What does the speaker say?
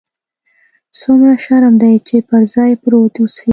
څومره شرم دى چې پر ځاى پروت اوسې.